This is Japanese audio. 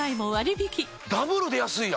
ダブルで安いな！